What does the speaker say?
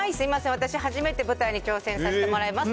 私、初めて舞台に挑戦させてもらいます。